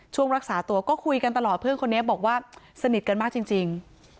รักษาตัวก็คุยกันตลอดเพื่อนคนนี้บอกว่าสนิทกันมากจริง